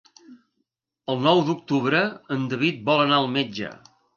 El nou d'octubre en David vol anar al metge.